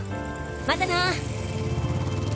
またな！